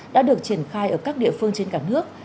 đã được triển khai ở các địa phương trên cả nước